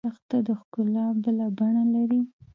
دښته د ښکلا بله بڼه لري.